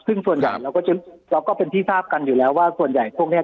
ซึ่งส่วนใหญ่เราก็จะเราก็เป็นที่ทราบกันอยู่แล้วว่าส่วนใหญ่พวกนี้